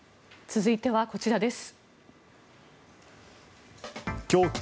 続いては、こちらです。